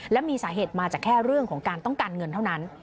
และมีสาเหตุมาจากแค่เรื่องของการต้องการเงินเท่านั้น